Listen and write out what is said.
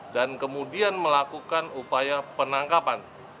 dan kemudian melakukan upaya penangkapan